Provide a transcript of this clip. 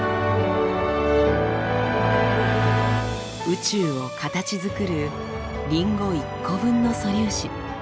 宇宙を形づくるリンゴ１個分の素粒子。